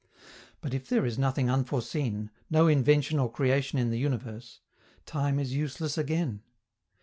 But if there is nothing unforeseen, no invention or creation in the universe, time is useless again.